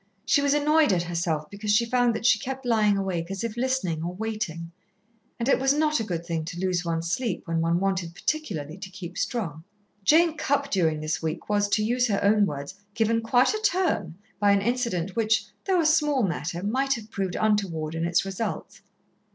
She was annoyed at herself, because she found that she kept lying awake as if listening or waiting. And it was not a good thing to lose one's sleep when one wanted particularly to keep strong. Jane Cupp during this week was, to use her own words, "given quite a turn" by an incident which, though a small matter, might have proved untoward in its results.